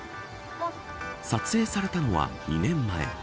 撮影されたのは２年前。